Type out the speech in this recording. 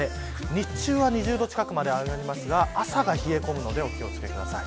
日中は２０度近くまで上がりますが朝が冷え込むのでお気を付けください。